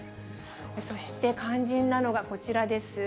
そして肝心なのがこちらです。